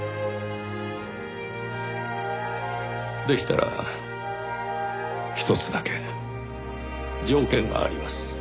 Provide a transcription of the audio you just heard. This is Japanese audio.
でしたら一つだけ条件があります。